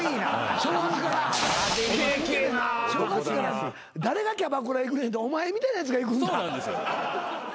正月から誰がキャバクラ行くねんってお前みたいなやつが行くんか。